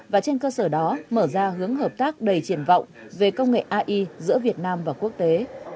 và trên cơ sở đó mở ra hướng hợp tác đầy triển vọng về công nghệ ai giữa việt nam và quốc tế